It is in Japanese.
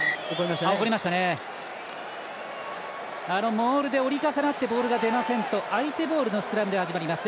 モールで折り重なってボールが出ませんと相手ボールのスクラムで始まります。